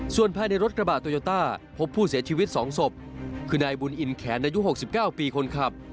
ส่วนภายในรถกระบาดโตโยต้าพบผู้เสียชีวิต๒ศพคือนายบุญอินแขนอายุ๖๙ปีคนขับ